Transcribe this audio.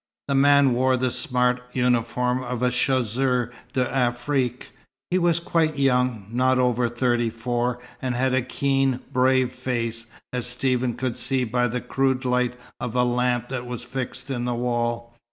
The man wore the smart uniform of the Chasseurs d'Afrique. He was quite young, not over thirty four, and had a keen, brave face, as Stephen could see by the crude light of a lamp that was fixed in the wall.